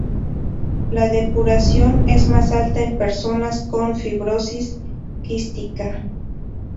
La depuración es más alta en personas con fibrosis quística.